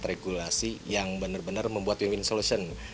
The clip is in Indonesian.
regulasi yang benar benar membuat win win solution